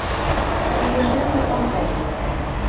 Тейенде ҡыҙғандым.